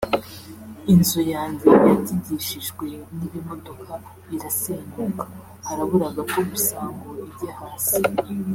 inzu yanjye yatigishijwe n’ibimodoka irasenyuka harabura gato gusa ngo ijye hasi